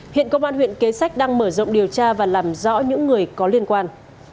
hiện công an huyện kế sách đang mở rộng điều tra và làm rõ những người có liên quan